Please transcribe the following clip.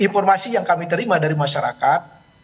informasi yang kami terima dari masyarakat